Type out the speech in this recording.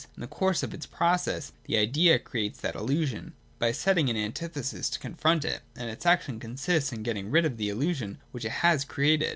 In the course of its process the Idea creates that illusion, by setting an antithesis to confront it ; and its action consists in getting rid of the illusion which it has created.